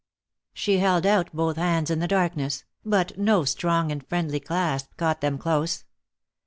She held out both hands in the darkness, but no strong and friendly clasp caught them close.